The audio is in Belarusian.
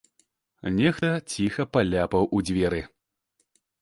Нехта ціха паляпаў у дзверы.